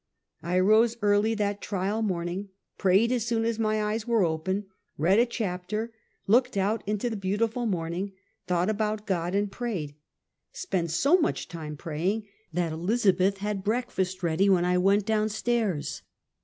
I rose early that trial morning, prayed as soon as my eyes were open, read a chajiter, looked out into the beautiful morning, thought about God and prayed — spent so much time praying, that Elizabeth had breakfast ready when I went down stairs.